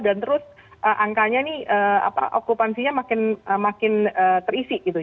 dan terus angkanya nih okupansinya makin terisi gitu